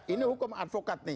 ini hukum advokat nih